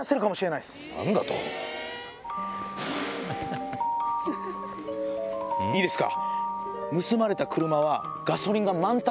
いいですか？